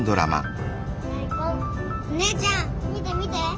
おねえちゃん見て見て！